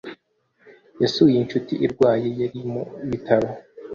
yasuye inshuti irwaye yari mu bitaro.